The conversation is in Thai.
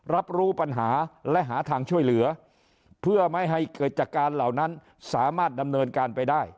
รับรู้ปัญหาและหาทางช่วยเหลือเพื่อไม่ให้เกิดจากการเหล่านั้นสามารถดำเนินการไปได้